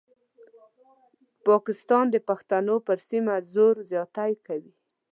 پاکستان د پښتنو پر سیمه زور زیاتی کوي.